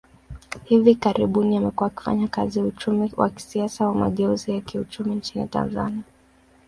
Hivi karibuni, amekuwa akifanya kazi uchumi wa kisiasa wa mageuzi ya kiuchumi nchini Tanzania.